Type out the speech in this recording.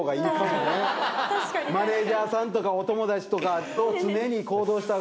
マネジャーさんとかお友達とかと常に行動した方がいいかも。